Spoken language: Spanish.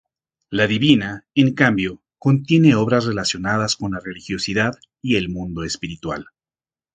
La Divina, en cambio, contiene obras relacionadas con la religiosidad y el mundo espiritual.